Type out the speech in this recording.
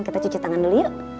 kita cuci tangan dulu yuk